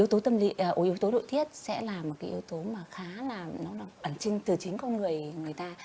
yếu tố nội tiết sẽ là một yếu tố khá là ẩn trưng từ chính con người người ta